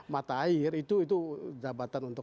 mata air itu jabatan untuk